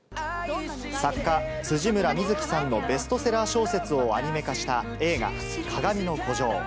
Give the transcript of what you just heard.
作家、辻村深月さんのベストセラー小説をアニメ化した映画、かがみの孤城。